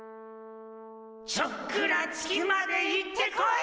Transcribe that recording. ちょっくら月まで行ってこい！